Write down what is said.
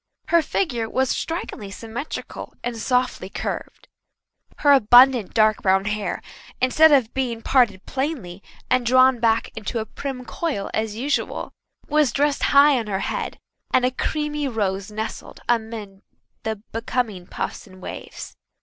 Her figure was strikingly symmetrical and softly curved. Her abundant, dark brown hair, instead of being parted plainly and drawn back into a prim coil as usual, was dressed high on her head, and a creamy rose nestled amid the becoming puffs and waves.